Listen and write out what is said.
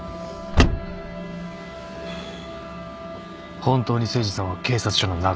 本当に誠司さんは警察署の中へ？